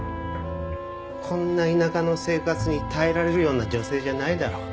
こんな田舎の生活に耐えられるような女性じゃないだろ。